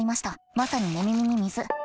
まさに寝耳に水。